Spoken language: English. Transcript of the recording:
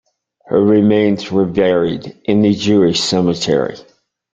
Her remains were buried in the Jewish cemetery.